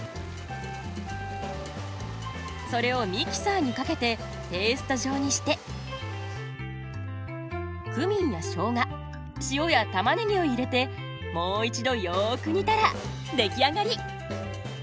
それをミキサーにかけてペースト状にしてクミンやしょうが塩やたまねぎを入れてもう一度よく煮たら出来上がり。